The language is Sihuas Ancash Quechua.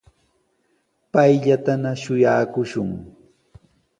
Payllatana shuyaakushun.